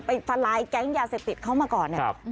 ทลายแก๊งยาเสพติดเขามาก่อนเนี่ย